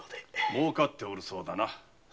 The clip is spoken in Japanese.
もうかっておるそうだな店は。